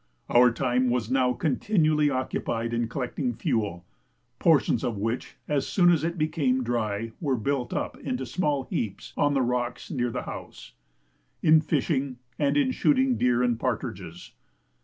Our time was now continually occupied in collecting fuel, (portions of which, as soon as it became dry, were built up into small heaps on the rocks near the house,) in fishing, and in shooting deer and partridges.